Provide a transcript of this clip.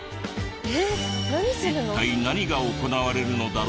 一体何が行われるのだろうか？